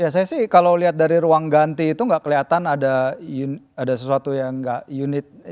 ya saya sih kalau lihat dari ruang ganti itu nggak kelihatan ada sesuatu yang nggak unit